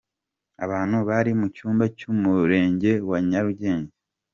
Abantu bari mu cyumba cy'Umurenge wa Nyarugenge .